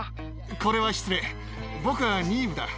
これは失礼、僕はニーヴだ。